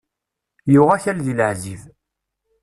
Yuɣ akal di laεzib